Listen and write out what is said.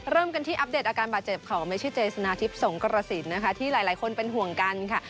เริ่มกันที่อัปเดตอาการบาดเจ็บของเมชิเจชนะทิพย์สงกรสินนะคะที่หลายคนเป็นห่วงกันค่ะ